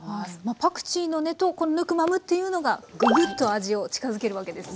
パクチーの根とヌクマムっていうのがぐぐっと味を近づけるわけですね。